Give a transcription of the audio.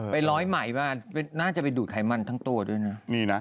ร้อยไหมน่าจะไปดูดไขมันทั้งตัวด้วยนะ